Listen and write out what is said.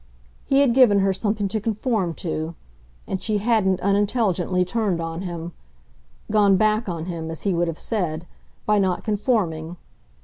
He had given her something to conform to, and she hadn't unintelligently turned on him, "gone back on" him, as he would have said, by not conforming.